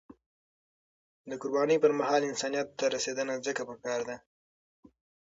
د قربانی پر مهال، انسانیت ته رسیدنه ځکه پکار ده.